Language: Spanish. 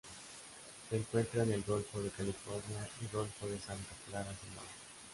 Se encuentra en el Golfo de California y Golfo de Santa Clara Sonora.